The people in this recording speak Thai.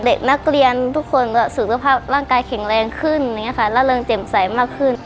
เด็กนักเรียนทุกคนสุขภาพร่างกายแข็งแรงขึ้นและเริ่มเจ็บใสมากขึ้น